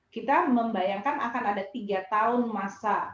kita membayangkan akan ada tiga tahun masa